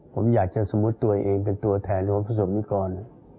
ผมอยากจะสมมุติตัวเองเป็นตัวแทนหัวประสบนี้ก่อน